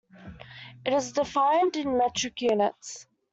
It is defined in metric units.